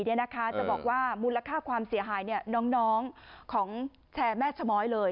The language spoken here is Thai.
จะบอกว่ามูลค่าความเสียหายน้องของแชร์แม่ชะม้อยเลย